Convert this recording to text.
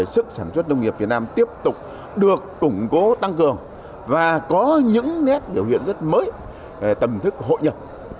sức sản xuất nông nghiệp việt nam tiếp tục được củng cố tăng cường và có những nét biểu hiện rất mới về tầm thức hội nhập